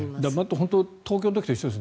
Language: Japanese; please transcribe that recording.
本当に、東京の時と一緒ですね。